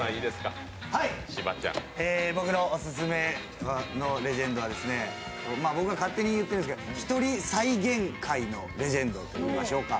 僕のオススメのレジェンドは僕が勝手に言ってるんですけどひとり再限界のレジェンドでしょうか。